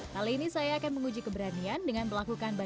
kali ini saya akan menguji keberanian dengan melakukan bantuan